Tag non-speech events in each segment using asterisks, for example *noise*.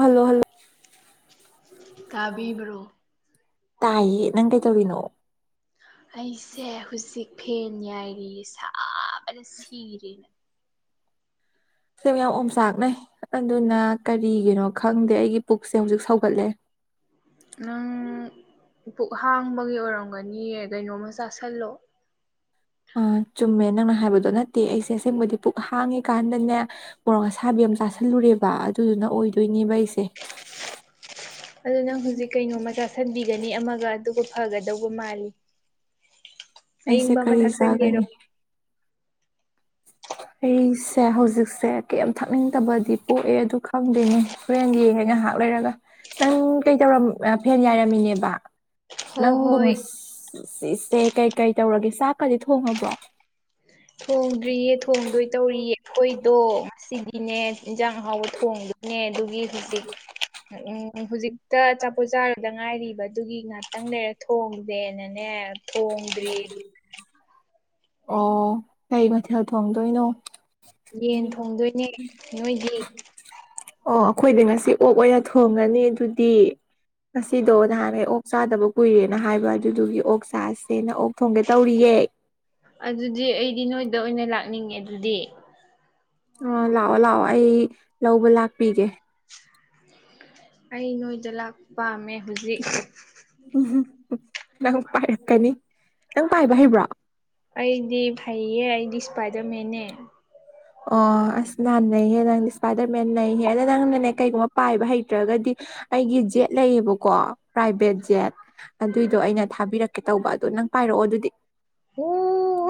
hello hello ꯇꯥꯕꯤꯕ꯭ꯔꯣ ꯇꯥꯏꯌꯦ ꯅꯪ ꯀꯩ ꯇꯧꯔꯤꯅꯣ ꯑꯩꯁꯦ ꯍꯧꯖꯤꯛ ꯐꯦꯟ ꯌꯥꯏꯔꯤ ꯁꯥ ꯁꯤꯔꯦ ꯁꯦꯝ ꯌꯥꯝ ꯑꯣꯝꯆꯥꯛꯅꯩ ꯑꯗꯨꯅ ꯀꯔꯤꯒꯤꯅꯣ ꯈꯪꯗꯦ ꯑꯩꯒꯤ ꯄꯨꯛꯁꯦ ꯍꯧꯖꯤꯛ ꯁꯧꯒꯠꯂꯦ ꯅꯪ ꯄꯨꯛ ꯍꯥꯡꯕꯒꯤ ꯑꯣꯏꯔꯝꯒꯅꯤꯌꯦ ꯀꯩꯅꯣꯝꯃ ꯆꯥꯁꯤꯜꯂꯣ ꯑ ꯆꯨꯝꯃꯦ ꯅꯪꯅ ꯍꯥꯏꯕꯗꯣ ꯑꯗꯨ ꯅꯠꯇꯦ ꯑꯩꯁꯦ ꯑꯁꯦꯡꯕꯗꯤ ꯄꯨꯛ ꯍꯥꯡꯉꯤ ꯀꯥꯟꯗꯅꯦ ꯃꯣꯔꯣꯛ ꯑꯁꯥꯕꯤ ꯑꯃ ꯆꯥꯥꯁꯜꯂꯨꯔꯦꯕ ꯑꯗꯨꯗꯨꯅ ꯑꯣꯏꯗꯣꯏꯅꯦ ꯑꯗꯨ ꯅꯪ ꯍꯧꯖꯤꯛ ꯀꯩꯅꯣ ꯃꯆꯥ ꯁꯟꯕꯤꯒꯅꯤ ꯑꯃꯒ ꯑꯗꯨꯒ ꯐꯒꯗꯧꯕ ꯃꯥꯜꯂꯤ ꯑꯩꯁꯦ ꯑꯏꯤꯡꯕ ꯑꯃ ꯀꯔꯤ ꯊꯛꯆꯟꯒꯦꯔꯣ ꯆꯥꯒꯅꯤ ꯑꯩꯁꯦ ꯍꯧꯖꯤꯛꯁꯦ ꯀꯩ ꯊꯛꯅꯤꯡꯗꯕꯗꯤ ꯄꯣꯛꯑꯦ ꯑꯗꯨ ꯈꯪꯗꯣꯏꯅꯦ ꯐ꯭ꯔꯦꯟ ꯌꯦꯡꯉ ꯉꯥꯏꯍꯥꯛ ꯂꯩꯔꯒ ꯅꯪ ꯀꯩꯧꯔ ꯐꯦꯟ ꯌꯥꯏꯔꯝꯃꯤꯅꯦꯕ ꯍꯣ ꯍꯣꯏ ꯅꯪꯕꯨꯆꯦ ꯀꯩꯀꯩ ꯇꯧꯔꯒꯦ ꯆꯥꯛꯀꯗꯤ ꯊꯣꯡꯉꯕ꯭ꯔꯣ ꯊꯣꯡꯗ꯭ꯔꯤꯌꯦ ꯊꯣꯡꯗꯣꯏ ꯇꯧꯔꯤꯌꯦ ꯑꯩꯈꯣꯏꯗꯣ ꯉꯁꯤꯗꯤꯅꯦ ꯏꯟꯁꯥꯡ ꯑꯍꯥꯎꯕ ꯊꯣꯡꯗꯣꯏꯅꯦ ꯑꯗꯨꯒꯤ ꯍꯧꯖꯤꯛ ꯎꯝ ꯍꯧꯖꯤꯛ ꯇ ꯑꯆꯥꯄꯣꯠ ꯆꯥꯔꯨꯗ ꯉꯥꯏꯔꯤꯕ ꯑꯗꯨꯒꯤ ꯉꯥꯛꯇꯪ ꯂꯩꯔ ꯊꯣꯡꯁꯦꯅꯅꯦ ꯊꯣꯡꯗꯔꯤ ꯑꯣ ꯀꯩ ꯃꯊꯦꯜ ꯊꯣꯡꯗꯣꯏꯅꯣ ꯌꯦꯟ ꯊꯣꯡꯗꯣꯏꯅꯦ ꯅꯣꯏꯒꯤ ꯑꯣ ꯑꯩꯈꯣꯏꯗꯤ ꯉꯁꯤ ꯑꯣꯛ ꯑꯣꯏꯅ ꯊꯣꯡꯉꯅꯤ ꯑꯗꯨꯗꯤ ꯉꯁꯤꯗꯣ ꯅꯍꯥꯟ ꯑꯣꯛ ꯆꯥꯗꯕ ꯀꯨꯏꯔꯦꯅ ꯍꯥꯏꯕ ꯑꯗꯨꯗꯨꯒꯤ ꯑꯣꯛ ꯆꯥꯁꯦꯅ ꯑꯣꯛ ꯊꯣꯡꯒꯦ ꯇꯧꯔꯤꯌꯦ ꯑꯗꯨꯗꯤ ꯑꯩꯗꯤ ꯅꯣꯏꯗ ꯑꯣꯏꯅ ꯂꯥꯛꯅꯤꯡꯉꯦ ꯑꯗꯨꯗꯤ ꯑꯥ ꯂꯥꯛꯑꯣ ꯂꯥꯛꯑꯣ ꯑꯩ ꯂꯧꯕ ꯂꯥꯛꯄꯤꯒꯦ ꯑꯩ ꯅꯣꯏꯗ ꯂꯥꯛꯄ ꯄꯥꯝꯃꯦ ꯍꯧꯖꯤꯛ ꯎꯝ ꯅꯪ ꯄꯥꯏꯔꯛꯀꯅꯤ ꯅꯪ ꯄꯥꯏꯕ ꯍꯩꯕ꯭ꯔꯣ ꯑꯩꯗꯤ ꯍꯩꯌꯦ ꯑꯩꯗꯤ ꯏꯁꯄꯥꯏꯗꯔ ꯃꯦꯟꯅꯦ ꯑꯣ ꯑꯁ ꯅꯥꯥ ꯅꯩꯍꯦ ꯅꯪꯗꯤ ꯏꯁꯄꯥꯏꯗꯔ ꯃꯦꯟ ꯅꯩꯍꯦ ꯑꯗ ꯅꯪꯅꯅꯦ ꯀꯩꯒꯨꯝꯕ ꯄꯥꯏꯕ ꯍꯩꯇ꯭ꯔꯒꯗꯤ ꯑꯩꯒꯤ ꯖꯦꯠ ꯂꯩꯌꯦꯕꯀꯣ ꯄ꯭ꯔꯥꯏꯚꯦꯠ ꯖꯦꯠ ꯑꯗꯨꯏꯗꯣ ꯑꯩꯅ ꯊꯥꯕꯤꯔꯛꯀꯦ ꯇꯧꯕ ꯑꯗꯨꯅ ꯅꯪ ꯄꯥꯏꯔꯛꯑꯣ ꯑꯗꯨꯗꯤ ꯑꯣ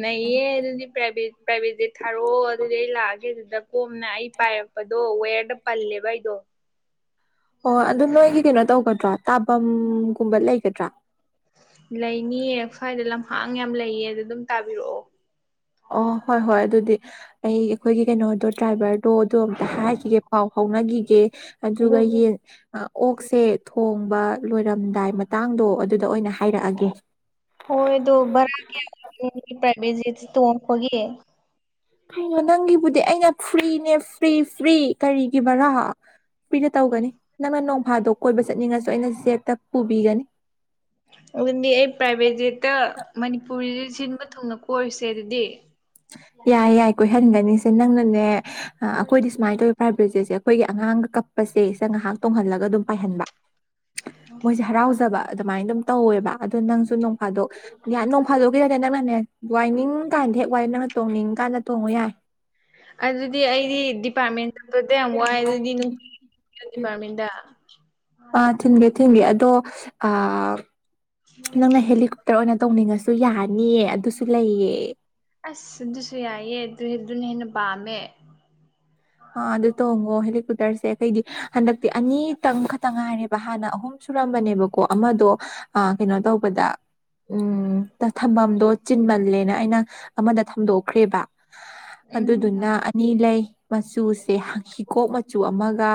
ꯅꯩꯌꯦ ꯑꯗꯨꯗꯤ ꯄꯔꯥꯏꯚꯦꯠ ꯄꯔꯥꯏꯚꯦꯠ ꯖꯦꯠ ꯊꯥꯔꯛꯑꯣ ꯑꯗꯨꯗꯤ ꯑꯩ ꯂꯥꯛꯑꯒꯦ ꯑꯗꯨꯗ ꯀꯣꯝꯅ ꯑꯩ ꯄꯥꯏꯔꯛꯄꯗꯣ ꯋꯦꯔ ꯌꯥꯝ ꯄꯜꯂꯦꯕ ꯑꯩꯗꯣ ꯑꯣ ꯑꯗꯨ ꯅꯣꯏꯒꯤ ꯀꯩꯅꯣ ꯇꯧꯒꯗ꯭ꯔꯣ ꯇꯥꯕꯝꯒꯨꯝꯕ ꯂꯩꯒꯗ꯭ꯔꯣ ꯂꯩꯅꯤꯌꯦ ꯁ꯭ꯋꯥꯏꯗ ꯂꯝꯍꯥꯡ ꯌꯥꯝ ꯂꯩꯌꯦ ꯑꯗꯨꯗ ꯑꯗꯨꯝ ꯇꯥꯕꯤꯔꯛꯑꯣ ꯑꯣ ꯍꯣꯏ ꯍꯣꯏ ꯑꯗꯨꯗꯤ ꯑꯩ ꯑꯩꯈꯣꯏꯒꯤ ꯀꯩꯅꯣꯗꯣ ꯗ꯭ꯔꯥꯏꯚꯔꯗꯣ ꯑꯗꯨ ꯑꯝꯇ ꯍꯥꯏꯈꯤꯒꯦ ꯄꯥꯎ ꯐꯥꯎꯅꯈꯤꯒꯦ ꯑꯗꯨꯒ ꯌꯦꯟ ꯑꯣꯛꯁꯦ ꯊꯣꯡꯕ ꯂꯣꯏꯔꯝꯗꯥꯏ ꯃꯇꯥꯡꯗꯣ ꯑꯗꯨꯗ ꯑꯣꯏꯅ ꯍꯥꯏꯔꯛꯑꯒꯦ ꯍꯣꯏ ꯑꯗꯣ ꯕꯥꯔꯥ ꯀꯌꯥꯃꯨꯛ ꯑꯣꯏꯒꯦ ꯄꯔꯥꯏꯕꯦꯠ ꯖꯦꯠ ꯇꯣꯡꯉꯛꯄꯒꯤ ꯀꯩꯅꯣ ꯅꯪꯒꯤꯕꯨꯗꯤ ꯑꯩꯅ ꯐ꯭ꯔꯤꯅꯦ ꯐ꯭ꯔꯤ ꯐ꯭ꯔꯤ ꯀꯔꯤꯒꯤ ꯕꯔꯥ ꯐ꯭ꯔꯤꯗ ꯇꯧꯒꯅꯤ ꯅꯪꯅ ꯅꯣꯡꯐꯥꯗꯣꯛ ꯀꯣꯏꯕ ꯆꯠꯅꯤꯡꯉꯁꯨ ꯑꯩꯅ ꯖꯦꯠꯇ ꯄꯨꯕꯤꯒꯅꯤ ꯑꯗꯨꯗꯤ ꯑꯩ ꯄ꯭ꯔꯥꯏꯚꯦꯠ ꯖꯦꯠꯇ ꯃꯅꯤꯄꯨꯔꯤꯗ ꯁꯤꯟꯕ ꯊꯨꯡꯅ ꯀꯣꯏꯔꯨꯁꯦ ꯑꯗꯨꯗꯤ ꯌꯥꯏ ꯌꯥꯏ ꯀꯣꯏꯍꯟꯒꯅꯤꯁꯦ ꯅꯪꯅꯅꯦ ꯑꯩꯈꯣꯏꯗꯤ ꯁꯨꯃꯥꯏꯅ ꯇꯧ ꯄ꯭ꯔꯥꯏꯚꯦꯠꯁꯦꯁꯦ ꯑꯩꯈꯣꯏꯒꯤ ꯑꯉꯥꯡꯒ ꯀꯞꯄꯁꯦ ꯁꯤ ꯉꯥꯏꯍꯥꯛ ꯇꯣꯡꯍꯜꯂꯒ ꯑꯗꯨꯝ ꯄꯥꯏꯍꯟꯕ ꯃꯣꯏꯁꯦ ꯍꯔꯥꯎꯖꯕ ꯑꯗꯨꯃꯥꯏꯅ ꯑꯗꯨꯝ ꯇꯧꯋꯦꯕ ꯑꯗꯣ ꯅꯪꯁꯨ ꯅꯣꯡ ꯐꯥꯗꯣꯛ ꯅꯣꯡ ꯐꯥꯗꯣꯛꯈꯤꯗꯅꯦ ꯅꯪꯅꯅꯦ ꯋꯥꯏꯅꯤꯡ ꯀꯥꯟꯗ ꯍꯦꯛ ꯋꯥꯏꯌꯣ ꯅꯪ ꯇꯣꯡꯅꯤꯡꯀꯥꯟꯗ ꯇꯣꯡꯉꯨ ꯌꯥꯏ ꯑꯗꯨꯗꯤ ꯑꯩꯗꯤ ꯗꯤꯄꯥꯔꯠꯃꯦꯟ ꯆꯠꯄꯗ ꯌꯥꯝ ꯋꯥꯏ ꯑꯗꯨꯗꯤ ꯅꯨꯡꯇꯤꯒꯤ ꯅꯪ ꯗꯤꯄꯥꯔꯃꯦꯟꯗ ꯑꯥ ꯊꯤꯟꯒꯦ ꯊꯤꯟꯒꯦ ꯑꯗꯣ ꯅꯪꯅ ꯍꯦꯂꯤꯀꯣꯞꯇꯔ ꯑꯣꯏꯅ ꯇꯧꯅꯤꯡꯉꯁꯨ ꯌꯥꯅꯤꯌꯦ ꯑꯗꯨꯁꯨ ꯂꯩꯌꯦ ꯑꯁ ꯑꯗꯨꯁꯨ ꯌꯥꯏꯌꯦ ꯑꯗꯨ ꯑꯗꯨꯅ ꯍꯦꯟꯅ ꯄꯥꯝꯃꯦ ꯑ ꯑꯗꯨ ꯇꯣꯡꯉꯣ ꯍꯦꯂꯤꯀꯨꯞ ꯇꯔꯁꯦ ꯑꯩꯈꯣꯏꯗꯤ ꯍꯟꯗꯛꯇꯤ ꯑꯅꯤꯇꯪ ꯈꯛꯇꯪ ꯉꯥꯏꯔꯦꯕ ꯍꯥꯟꯅ ꯑꯍꯨꯝ ꯁꯨꯔꯝꯕꯅꯦꯕꯀꯣ ꯑꯃꯗꯣ ꯑ ꯀꯩꯅꯣ ꯇꯧꯕꯗ ꯎꯝ ꯊꯝꯐꯝꯗꯣ ꯆꯤꯟꯃꯜꯂꯦꯅ ꯑꯩꯅ ꯑꯃꯗ ꯊꯝꯗꯣꯛꯈ꯭ꯔꯦꯕ ꯎꯝ ꯑꯗꯨꯗꯨꯅ ꯑꯅꯤ ꯂꯩ ꯃꯆꯨꯁꯦ ꯍꯤꯒꯣꯛ ꯃꯆꯨ ꯑꯃꯒ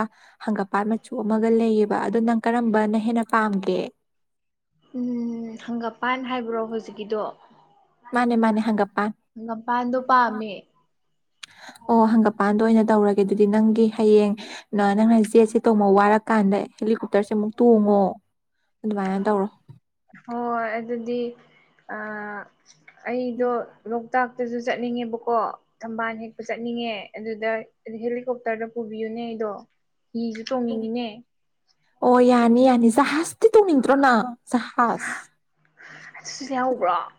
ꯍꯪꯒꯄꯥꯜ ꯃꯆꯨ ꯑꯃꯒ ꯂꯩꯌꯦꯕ ꯑꯗꯣ ꯅꯪ ꯀꯔꯝꯕꯅ ꯍꯦꯟꯅ ꯄꯥꯝꯒꯦ ꯎꯝ ꯍꯪꯒꯄꯥꯜ ꯍꯥꯏꯕ꯭ꯔꯣ ꯍꯧꯖꯤꯛꯀꯤꯗꯣ ꯃꯥꯅꯦ ꯃꯥꯅꯦ ꯍꯪꯒꯄꯥꯟ ꯍꯥꯪꯒꯄꯥꯜꯗꯣ ꯄꯥꯝꯃꯦ ꯑꯣ ꯍꯪꯒꯄꯥꯜꯗ ꯑꯣꯏꯅ ꯇꯧꯔꯒꯦ ꯑꯗꯨꯗꯤ ꯅꯪꯒꯤ ꯍꯌꯦꯡ ꯅꯪꯅ ꯖꯦꯠꯁꯦ ꯇꯣꯡꯕ ꯋꯥꯔꯀꯥꯟꯗ ꯍꯦꯂꯤꯀꯣꯞ ꯇꯔꯁꯦ ꯑꯃꯨꯛ ꯇꯣꯡꯉꯣ ꯑꯗꯨꯃꯥꯏꯅ ꯇꯧꯔꯣ ꯍꯣꯏ ꯍꯣꯏ ꯑꯗꯨꯗꯤ ꯑꯩꯗꯣꯣꯛ ꯂꯣꯛꯇꯥꯛꯇꯁꯨ ꯆꯠꯅꯤꯡꯉꯦꯕꯀꯣ ꯊꯝꯕꯥꯜ ꯍꯦꯛꯄ ꯆꯠꯅꯤꯡꯉꯦ ꯑꯗꯨꯗ ꯍꯦꯂꯤꯀꯣꯞꯇꯔꯗ ꯄꯨꯕꯤꯌꯨꯅꯦ ꯗꯣ ꯑꯣ ꯌꯥꯅꯤ ꯌꯥꯅꯤ ꯖꯍꯖ ꯇꯅꯤꯇ꯭ꯔꯣꯅꯥ ꯁꯍꯁ ꯑꯗꯨꯁꯨ ꯌꯥꯎꯕ꯭ꯔꯣ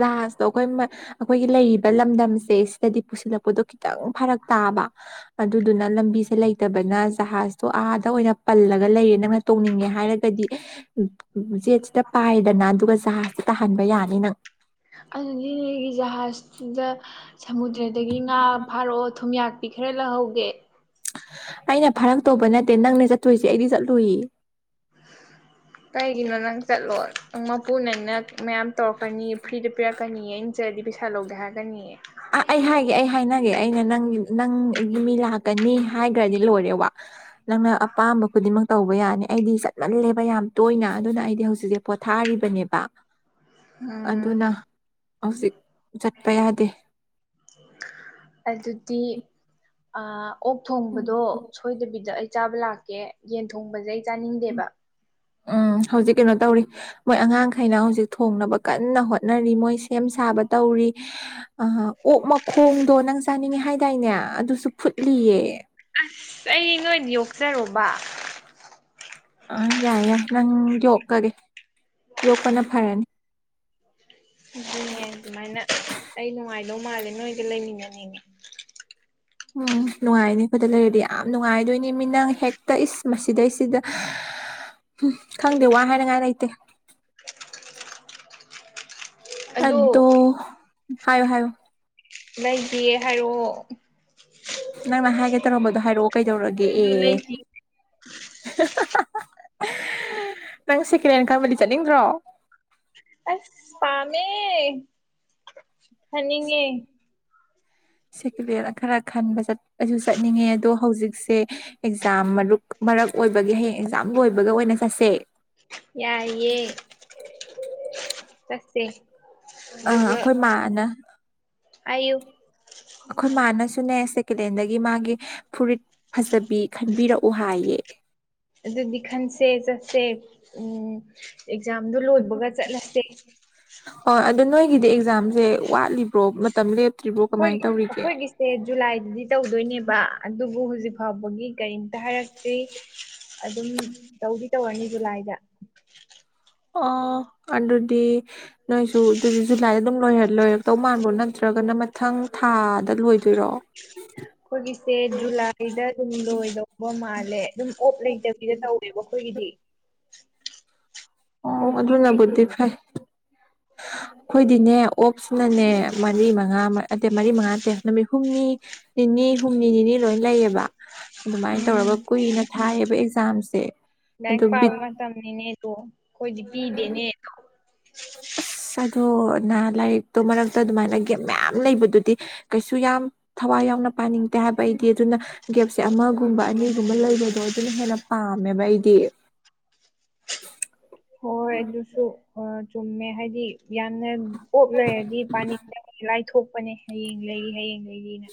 ꯂꯍꯥꯖꯇꯣ ꯑꯩꯈꯣꯏ ꯑꯩꯈꯣꯏꯒꯤ ꯂꯩꯔꯤꯕ ꯂꯝꯗꯝꯁꯦ ꯁꯤꯗꯗꯤ ꯄꯨꯁꯤꯜꯂꯛꯄꯗꯣ ꯈꯤꯇꯪ ꯐꯔꯛ ꯇꯥꯕ ꯑꯗꯨꯗꯨꯅ ꯂꯝꯕꯤꯁꯦ ꯂꯩ ꯂꯩꯇꯕꯅ ꯖꯍꯥꯖꯇꯣ ꯑꯥꯗ ꯑꯣꯏꯅ ꯄꯜꯂꯒ ꯂꯩꯔꯦ ꯅꯪꯅ ꯇꯣꯡꯅꯤꯡꯉꯦ ꯍꯥꯏꯔꯒꯗꯤ ꯖꯦꯠꯁꯤꯗ ꯄꯥꯏꯗꯅ ꯑꯗꯨꯒ ꯖꯍꯥꯁꯤꯇ ꯇꯥꯍꯟꯕ ꯌꯥꯅꯤ ꯅꯪ ꯑꯗꯨꯒꯤꯅꯦꯒꯤ ꯖꯍꯥꯖꯇꯨꯗ ꯁꯃꯨꯗ꯭ꯔꯗꯒꯤ ꯉꯥ ꯐꯥꯔꯛꯑꯣ ꯊꯨꯝꯌꯥꯛ ꯄꯈꯔꯦꯂ ꯍꯒꯦ ꯑꯩꯅ ꯐꯔꯛ ꯇꯧꯕ ꯅꯠꯇꯦ ꯅꯪꯅꯦ ꯆꯠꯇꯣꯏꯁꯦ ꯑꯩꯗꯤ ꯆꯠꯂꯨꯏ ꯀꯩꯒꯤꯅꯣ ꯅꯪ ꯆꯠꯂꯣ ꯃꯄꯨ ꯅꯪ ꯅꯛ ꯃꯌꯥꯝ ꯇꯧꯔꯛꯀꯅꯤ ꯐ꯭ꯔꯤꯗ ꯍꯥ ꯄꯄꯤꯔꯛꯀꯅꯤꯌꯦ ꯑ ꯏ ꯆꯠꯔꯗꯤ ꯄꯩꯁꯥ ꯂꯧꯗꯦ ꯍꯥꯏꯔꯛꯅꯤꯌꯦ ꯑꯥ ꯑꯩ ꯍꯥꯏꯒꯦ ꯑꯩ ꯍꯥꯏꯅ ꯑꯩꯅ ꯅ ꯅꯪ ꯑꯩꯒꯤ ꯃꯤ ꯂꯥꯛꯀꯅꯤ ꯍꯥꯏꯈ꯭ꯔꯗꯤ ꯂꯣꯏꯔꯦꯕ ꯅꯪꯅ ꯑꯄꯥꯝꯕ ꯈꯨꯗꯤꯡꯃꯛ ꯇꯧꯕ ꯌꯥꯅꯤ ꯑꯩꯗꯤ ꯆꯠꯃꯜꯂꯦꯕ ꯌꯥꯝ ꯇꯣꯏꯅ ꯑꯗꯨꯅ ꯑꯩꯗꯤ ꯍꯧꯖꯤꯛꯁꯦ ꯄꯣꯊꯥꯔꯤꯕꯅꯦꯕ ꯎꯝ ꯑꯗꯨꯅ ꯍꯧꯖꯤꯛ ꯆꯠꯄ ꯌꯥꯗꯦ ꯑꯗꯨꯗꯤ ꯑ ꯑꯣꯛ ꯊꯣꯡꯕꯗꯣ ꯁꯣꯏꯗꯕꯤꯗ ꯑꯩ ꯆꯥꯕ ꯂꯥꯛꯀꯦ ꯌꯦꯟ ꯊꯣꯡꯕꯁꯦ ꯑꯩ ꯆꯥꯅꯤꯡꯗꯦꯕ ꯑ ꯍꯧꯖꯤꯛ ꯀꯩꯅꯣ ꯇꯧꯔꯤ ꯃꯣꯏ ꯑꯉꯥꯡꯈꯩꯅ ꯍꯧꯖꯤꯛ ꯊꯣꯡꯅꯕ ꯀꯟꯅ ꯍꯣꯠꯅꯔꯤ ꯃꯣꯏ ꯁꯦꯝ ꯁꯥꯕ ꯇꯧꯔꯤ ꯑꯣꯛ ꯃꯈꯣꯡꯗꯣ ꯅꯪ ꯆꯥꯅꯤꯡꯉꯦ ꯍꯥꯏꯗꯥꯏꯅꯦ ꯑꯗꯨꯁꯨ ꯐꯨꯠꯂꯤꯌꯦ ꯑꯩ ꯅꯣꯏ ꯌꯣꯛꯆꯔꯨꯕ ꯑ ꯌꯥꯏ ꯌꯥꯏ ꯅꯪ ꯆꯀꯒꯦ ꯌꯣꯛꯄꯅ ꯐꯔꯅꯤ ꯑꯗꯨꯅꯦ ꯑꯗꯨꯃꯥꯏꯅ ꯑꯩ ꯅꯨꯡꯉꯥꯏꯗꯧ ꯃꯥꯜꯂꯦ ꯅꯣꯏꯒ ꯂꯩꯃꯤꯟꯅꯅꯤꯅꯦ ꯎꯝ ꯅꯨꯡꯉꯥꯏꯅꯦ ꯑꯩꯈꯣꯏꯗ ꯂꯩꯔꯗꯤ ꯌꯥꯝ ꯅꯨꯡꯉꯥꯏꯗꯣꯏꯅꯦ ꯃꯤ ꯅꯪ ꯍꯦꯛꯇ ꯏꯁ ꯃꯁꯤꯗꯩꯁꯤꯗ ꯎꯝ ꯈꯪꯗꯦ ꯋꯥ ꯍꯥꯏꯅꯉꯥꯏ ꯂꯩꯇꯦ ꯑꯗꯣ ꯑꯗꯨꯗꯣ ꯍꯥꯏꯌꯣ ꯍꯥꯏꯣ ꯂꯩꯗꯦ ꯍꯥꯏꯔꯛꯑꯣ ꯅꯪꯅ ꯍꯥꯏꯒꯦ ꯇꯧꯔꯝꯕꯗꯣ ꯍꯥꯏꯔꯛꯑꯣ ꯀꯩꯗꯧꯔꯒꯦ ꯑꯗꯨ ꯑꯦ ꯂꯩꯁꯤ *inaudible* *unintelligible* ꯅꯪ ꯁꯦꯀꯦꯟ ꯍꯦꯟ ꯀꯕꯗꯤ ꯆꯠꯅꯤꯡꯕ꯭ꯔꯣ ꯐꯅꯤꯡꯉꯦ ꯁꯦꯀꯨꯂꯔ ꯈꯔ ꯈꯟꯕ ꯆꯠꯄꯁꯨ ꯆꯠꯅꯤꯡꯉꯦ ꯑꯗꯣ ꯍꯧꯖꯤꯛꯁꯦ ꯑꯦꯛꯖꯥꯝ ꯃꯔꯛ ꯃꯔꯛ ꯑꯣꯏꯕꯒꯤ ꯍꯌꯦꯡ ꯑꯦꯛꯖꯥꯝ ꯂꯣꯏꯕꯒ ꯑꯣꯏꯅ ꯆꯠꯁꯦ ꯌꯥꯏꯌꯦ ꯀꯁꯦ ꯑꯥ ꯑꯩꯈꯣꯏ ꯃꯥꯅ ꯑꯌꯌꯨ ꯑꯩꯈꯣꯏ ꯃꯥꯅꯁꯨꯅꯦ ꯁꯦꯀꯗꯦꯟꯗꯒꯤ ꯃꯥꯒꯤ ꯐꯨꯔꯤꯠ ꯐꯖꯕꯤ ꯈꯟꯕꯤꯔꯛꯎ ꯍꯥꯏꯌꯦ ꯑꯗꯨꯗꯤ ꯈꯁꯦ ꯆꯠꯦ ꯎꯝ ꯑꯦꯛꯖꯥꯝꯗꯣ ꯂꯣꯏꯕꯒ ꯆꯠꯂꯁꯦ ꯍꯣꯏ ꯑꯗꯨꯗꯣ ꯅꯣꯏꯒꯤꯗꯤ ꯑꯦꯛꯖꯥꯝꯁꯦ ꯋꯥꯠꯂꯤꯕ꯭ꯔꯣ ꯃꯇꯝ ꯂꯦꯞ ꯑꯩꯈꯣꯏꯒꯤ ꯑꯩꯈꯣꯏꯒꯤꯁꯦ ꯖꯨꯂꯥꯏꯗꯗꯤ ꯇꯧꯗꯣꯏꯅꯦꯕ ꯑꯗꯨꯕꯨ ꯍꯧꯖꯤꯛ ꯐꯥꯎꯕꯒꯤ ꯀꯔꯤꯝꯇ ꯍꯥꯏꯔꯛꯇ꯭ꯦ ꯑꯗꯨꯝ ꯇꯧꯕꯤ ꯇꯧꯔꯅꯤ ꯖꯨꯂꯥꯏꯗ ꯑꯣ ꯑꯗꯨ ꯑꯗꯨꯗꯤ ꯅꯣꯏꯁꯨ ꯑꯗꯨ ꯖꯨꯂꯥꯏꯗ ꯑꯗꯨꯝ ꯂꯣꯏ ꯂꯣꯏꯔꯛꯇꯧ ꯃꯥꯟꯕꯣ ꯅꯠꯇ꯭ꯔꯒꯅ ꯃꯊꯪ ꯊꯥꯗ ꯂꯣꯏꯗꯣꯏꯔꯣ ꯑꯩꯈꯣꯏꯒꯤꯁꯦ ꯖꯨꯂꯥꯏꯗ ꯑꯗꯨꯝ ꯂꯣꯏꯗꯧꯕ ꯃꯥꯜꯂꯦ ꯑꯗꯨꯝ ꯑꯣꯞ ꯂꯩꯇꯕꯤꯗ ꯇꯧꯋꯦꯕ ꯑꯩꯈꯣꯏꯒꯤꯗꯤ ꯑꯣ ꯑꯣꯞ ꯑꯗꯨ ꯑꯗꯨꯅ ꯕꯨꯗꯤꯤꯐꯥꯏ ꯑꯩꯈꯣꯏꯗꯤꯅꯦ ꯑꯣꯞꯁꯤꯅꯅꯦ ꯃꯔꯤ ꯃꯉꯥ ꯑꯗ ꯃꯔꯤ ꯃꯉꯥ ꯅꯠꯇꯦ ꯅꯨꯃꯤꯠ ꯍꯨꯝꯅꯤ ꯅꯤꯅꯤ ꯍꯨꯝꯅꯤ ꯅꯤꯅꯤ ꯂꯣꯏ ꯂꯩꯌꯦꯕ ꯑꯗꯨꯃꯥꯏꯅ ꯎꯝ ꯇꯧꯔꯒ ꯀꯨꯏꯅ ꯊꯥꯏꯌꯦꯕ ꯑꯦꯛꯖꯥꯝꯁꯦ ꯂꯥꯏꯔꯤꯛ ꯑꯗꯨ ꯕꯤꯠ ꯄꯥꯕ ꯃꯇꯝꯅꯤꯅꯦꯗꯣ ꯑꯩꯈꯣꯏꯗꯤ ꯄꯤꯗꯦꯅꯦꯗꯣ ꯑ ꯑꯗꯣ ꯅ ꯂꯥꯏꯔꯤꯛꯇꯣ ꯃꯔꯛꯇ ꯑꯗꯨꯃꯥꯏꯅ ꯒꯦꯝ ꯃꯌꯥꯝ ꯂꯩꯕꯗꯨꯗꯤ ꯀꯩꯁꯨ ꯌꯥꯝ ꯊꯋꯥꯏ ꯌꯥꯎꯅ ꯄꯥꯅꯤꯡꯗꯦ ꯍꯥꯏꯕ ꯑꯩꯗꯤ ꯑꯗꯨꯅ ꯒꯦꯞꯁꯦ ꯑꯃꯒꯨꯝꯕ ꯑꯅꯤꯒꯨꯝꯕ ꯂꯩꯕꯗꯣ ꯑꯗꯨꯅ ꯍꯦꯟꯅ ꯄꯥꯝꯃꯦꯕ ꯑꯩꯗꯤ *unintelligible* ꯍꯣꯏ ꯑꯗꯨꯁꯨ ꯑꯥ ꯆꯨꯝꯃꯦ ꯍꯥꯏꯗꯤ ꯌꯥꯝꯅ ꯑꯣꯣꯞ ꯂꯩꯔꯗꯤ ꯄꯥꯅꯤꯁꯤꯗ ꯑꯩ ꯂꯥꯏ ꯊꯣꯛꯣꯛꯄꯅꯦ ꯍꯌꯦꯡ ꯂꯩꯔꯤ ꯍꯌꯦꯡ ꯂꯩꯔꯤꯅ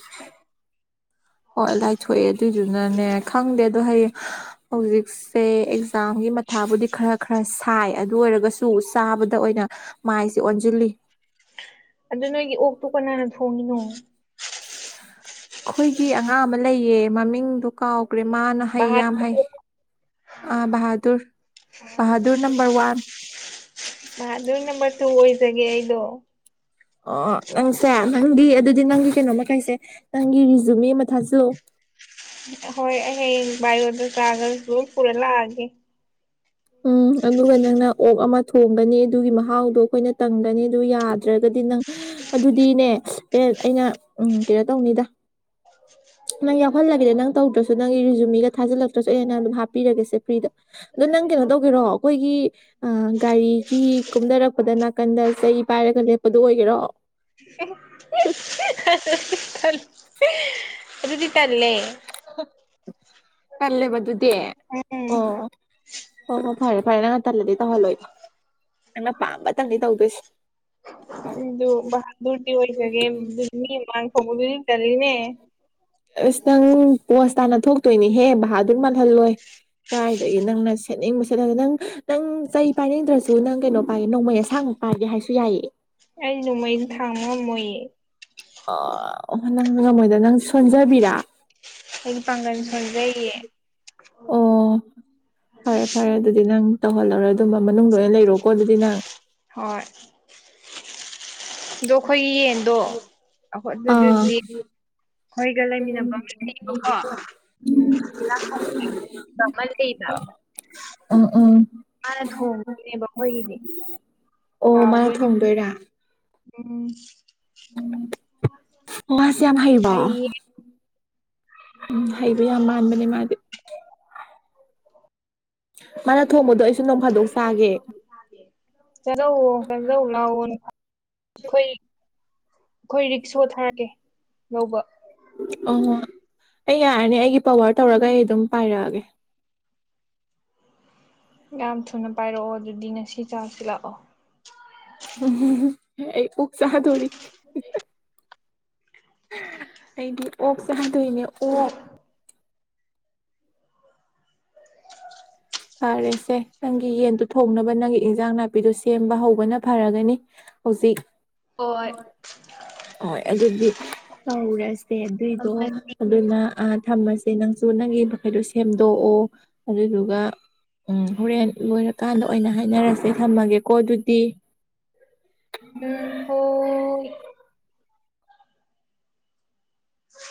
ꯍꯣꯏ ꯂꯥꯏꯊꯣꯛꯑꯦ ꯑꯗꯨꯏꯗꯨꯅꯅꯦ ꯈꯪꯗꯦ ꯑꯗꯣ ꯍꯌꯦꯡ ꯍꯧꯖꯤꯛꯁꯦ ꯑꯦꯛꯖꯥꯝ ꯒꯤ ꯃꯊꯥꯕꯨꯗꯤ ꯈꯔ ꯈꯔ ꯁꯥꯏ ꯑꯗꯨ ꯑꯣꯏꯔꯒꯁꯨ ꯆꯥꯕꯗ ꯑꯣꯏꯅ ꯃꯥꯏꯁꯦ ꯑꯣꯟꯁꯤꯜꯂꯤ ꯑꯗꯨ ꯅꯣꯏꯒꯤ ꯑꯣꯛꯇꯨ ꯀꯅꯥꯅ ꯊꯣꯡꯉꯤꯅꯣ ꯑꯩꯈꯣꯏꯒꯤ ꯑꯉꯥꯡ ꯑꯃ ꯂꯩꯌꯦ ꯃꯃꯤꯡꯗꯨꯣ ꯀꯥꯎ ꯀ꯭ꯔꯦꯃꯅ ꯍꯩ ꯌꯥꯝ ꯍꯩ ꯕꯍꯥꯗꯨꯔ ꯑꯥ ꯍꯥꯗꯨꯨꯔ ꯍꯥꯗꯨꯨꯔ ꯅꯝꯕꯝꯕꯔ ꯋꯥꯟ ꯑ ꯑꯗꯨ ꯅꯝꯕꯔ ꯇꯨ ꯑꯣꯏꯖꯒꯦ ꯑꯩꯗꯣ ꯑꯣ ꯅꯪꯁꯦ ꯅꯪꯒꯤ ꯑꯗꯨꯗꯤ ꯅꯪꯒꯤ ꯀꯩꯅꯣꯃꯩꯁꯦ ꯅꯪꯒꯤ ꯔꯤꯖꯨ ꯃꯤ ꯑꯃ ꯊꯥꯖꯤꯜꯂꯣ *inaudible* ꯍꯣꯏ ꯍ ꯏꯒꯇ ꯆꯒ ꯄꯨꯔꯦ ꯂꯑꯒꯦ ꯎꯝ ꯑꯗꯨꯒ ꯅꯪꯅ ꯑꯣꯛ ꯑꯃ ꯊꯣꯡꯒꯅꯤ ꯑꯗꯨꯒꯤ ꯃꯍꯥꯎꯗꯣ ꯑꯩꯈꯣꯏꯅ ꯇꯪꯒꯅꯤ ꯑꯗꯨ ꯌꯥꯗ꯭ꯔꯒꯗꯤ ꯗꯤ ꯅꯪ ꯑꯗꯨꯗꯤꯅꯦ ꯑꯦ ꯑꯩꯅ ꯎꯝ ꯀꯩꯅꯣ ꯇꯧꯅꯤꯗ ꯅꯪ ꯌꯥꯎꯍꯜꯂꯕꯤꯗ ꯅꯪ ꯇꯧꯗ꯭ꯔꯁꯨ ꯅꯪꯒꯤ ꯔꯤꯖꯨꯃꯤꯒ ꯊꯥꯖꯤꯜꯂꯛꯇ꯭ꯔꯁꯨ ꯑꯩ ꯍ ꯅ ꯑꯗꯨꯝ ꯍꯥꯞꯄꯤꯔꯒꯦꯁꯦ ꯐ꯭ꯔꯤꯗ ꯑꯗ ꯅꯪ ꯀꯩꯅꯣ ꯇꯧꯒꯦꯔꯣ ꯑꯩꯈꯣꯏꯒꯤ ꯒꯥꯔꯤꯒꯤ ꯀꯨꯝꯅꯔꯛ ꯄꯗ ꯅꯥꯀꯟꯗ ꯆꯩ ꯄꯥꯏꯔꯒ ꯂꯦꯞꯄꯗꯨꯣ ꯑꯣꯏꯒꯦꯔꯣ *unintelligible* ꯑꯗꯨꯗꯤ ꯇꯂꯦ ꯀꯜꯦ ꯃꯗꯨꯨ ꯗꯦ ꯎꯝ ꯑꯣ ꯍ ꯍꯣꯏ ꯐꯔꯦ ꯐꯔꯦ ꯅꯪ ꯉ ꯇꯜꯂꯗꯤ ꯇꯧꯍꯜꯂꯣꯏꯗ ꯅꯪꯅ ꯄꯥꯝꯕꯇꯪꯗꯤ ꯇꯧꯗꯣꯏꯁꯦ ꯑꯗꯨ ꯔꯇꯤ ꯑꯣꯏꯖꯒꯦ ꯃꯤ ꯃꯥꯡ ꯐꯗꯨꯅꯤ ꯇꯅꯦ ꯑꯁ ꯅꯪ ꯄꯣꯁ ꯇꯥꯅ ꯊꯣꯛꯇꯣꯏꯅꯦꯍꯦ ꯚ ꯑꯗꯨ ꯃꯥꯜꯍꯜꯂꯣꯏ ꯀꯥꯏꯗꯒꯤ ꯅꯪꯅ ꯁꯤ ꯁꯦꯠꯅꯤꯡꯕ ꯁꯦꯠꯂꯒ ꯅꯪ ꯅꯪ ꯆꯩ ꯄꯥꯏꯅꯤꯡꯗ꯭ꯔꯁꯨ ꯅꯪ ꯀꯩꯅꯣ ꯄꯥꯏꯒꯦ ꯅꯣꯡꯃꯩ ꯑꯁꯥꯡꯃꯛ ꯄꯥꯏꯒꯦ ꯍꯥꯏꯁꯨ ꯌꯥꯏꯌꯦ ꯑꯩ ꯅꯣꯡꯃꯩꯩꯅ ꯊꯥꯡꯃ ꯃꯣꯏꯌꯦ ꯑꯣ ꯑꯣ ꯅꯪ ꯉꯝꯃꯣꯏꯗ ꯅꯪ ꯁꯣꯟꯖꯕꯤꯔꯥ ꯌꯦ ꯄꯥꯉ ꯁꯜꯦꯦ ꯑꯣ ꯐꯔꯦ ꯐꯔꯦ ꯑꯗꯨꯗꯤ ꯅꯪ ꯇꯧꯍꯜꯂꯧꯔꯣꯏ ꯑꯗꯨꯝꯕ ꯃꯅꯨꯡꯗ ꯂꯣꯏ ꯑꯣꯏꯅ ꯂꯩꯔꯣꯀꯣ ꯑꯗꯨꯗꯤ ꯅꯪ ꯍꯣꯏ ꯑꯗꯣ ꯑꯩꯈꯣꯏꯒꯤ ꯌꯦꯟꯗꯣ ꯑꯗꯨꯗꯤ ꯑꯃ ꯂꯩꯕ ꯀ ꯎꯝ ꯎꯝ ꯃꯥꯅ ꯊꯣꯡꯉꯅꯦꯕ ꯑꯩꯈꯣꯏꯒꯤꯗꯤ ꯑꯣ ꯃꯥꯅ ꯍꯥꯎꯗꯣꯏꯅꯦ ꯎꯝ ꯑꯣ ꯍꯥꯁꯤ ꯌꯥꯝ ꯑꯃ ꯍꯥꯏꯔꯤꯕ ꯍꯌꯦꯡ ꯎꯝ ꯍꯩꯕ ꯌꯥꯝ ꯃꯥꯟꯕꯅꯦ ꯃꯥꯗꯤ ꯃꯥꯅ ꯊꯣꯡꯕꯗꯣ ꯑꯩꯁꯨ ꯅꯣꯡ ꯐꯥꯗꯣꯛ ꯆꯥꯒꯦ ꯆꯂꯣ ꯐꯗꯂ ꯑꯩꯈꯣꯏ ꯑꯩꯈꯣꯏ ꯔꯤꯛꯁꯣ ꯊꯥꯔꯛꯒꯦ ꯂꯧꯕ ꯑꯣ ꯑꯩ ꯌꯥꯔꯅꯤ ꯑꯩꯒꯤ ꯄꯋꯥꯔ ꯇꯧꯔꯒ ꯑꯩ ꯑꯗꯨꯝ ꯄꯥꯏꯔꯛꯑꯒꯦ ꯌꯥꯝ ꯊꯨꯅ ꯄꯥꯏꯔꯛꯑꯣ ꯑꯗꯨꯗꯤ ꯉꯁꯤ ꯆꯥꯔꯁꯤ ꯂꯥꯛꯑꯣ ꯝ ꯑꯩ ꯎꯛꯁ ꯊꯣꯔꯤ ꯑꯩꯗꯤ ꯑꯣꯛ ꯆꯗꯣꯏꯅꯦ ꯑꯣꯛ ꯐꯔꯦꯁꯦ ꯅꯪꯒꯤ ꯌꯦꯟꯗꯨ ꯊꯣꯡꯅꯕ ꯅꯪꯒꯤ ꯏꯟꯖꯥꯡ ꯅꯥꯄꯤꯗꯨꯣ ꯁꯦꯝꯕ ꯍꯧ ꯅ ꯐꯔꯒꯅꯤ ꯍꯧꯖꯤꯛ ꯍ ꯍꯣꯏ ꯑꯗꯨꯗꯤ ꯇꯧꯔꯁꯦ ꯑꯗꯨꯏꯗꯣ ꯑꯗꯨꯅ ꯑ ꯊꯝꯃꯁꯦ ꯅꯪꯁꯨ ꯅꯪꯒꯤ ꯃꯈꯩꯗꯨꯣ ꯁꯦꯝꯗꯣꯛꯑꯣ ꯑꯗꯨꯗꯨꯒ ꯎꯝ ꯍꯣꯔꯦꯟ ꯂꯣꯏꯔꯀꯥꯟꯗ ꯑꯣꯏꯅ ꯍꯥꯏꯅꯔꯁꯦ ꯊꯝꯃꯒꯦꯀꯣ ꯑꯗꯨ ꯇꯦ ꯎꯝ ꯍ *unintelligible*